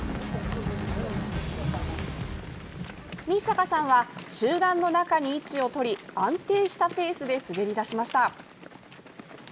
日坂さんは集団の中に位置を取り安定したペースで滑り出しました。